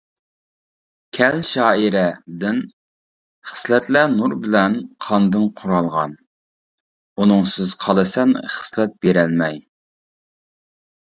( «كەل شائىرە» دىن) خىسلەتلەر نۇر بىلەن قاندىن قۇرالغان، ئۇنىڭسىز قالىسەن خىسلەت بېرەلمەي.